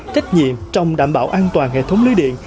trách nhiệm trong đảm bảo an toàn hệ thống lưới điện